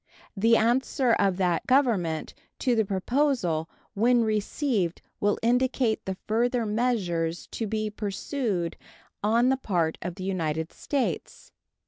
The answer of that Government to the proposal when received will indicate the further measures to be pursued on the part of the United States.